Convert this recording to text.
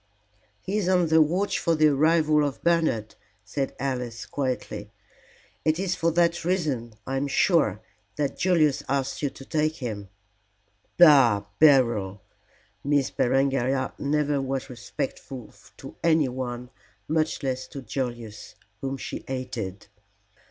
"He is on the watch for the arrival of Bernard," said Alice, quietly. "It is for that reason, I am sure, that Julius asked you to take him." "Bah! Beryl!" Miss Berengaria never was respectful to anyone, much less to Julius, whom she hated.